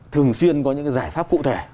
thường xuyên có những giải pháp cụ thể